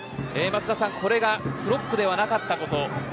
これがフロックではなかったこと。